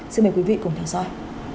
xin mời quý vị cùng theo dõi